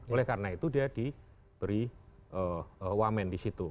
oleh karena itu dia diberi wamen disitu